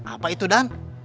apa itu dan